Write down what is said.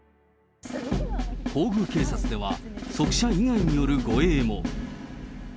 皇宮警察では、側車以外による護衛も。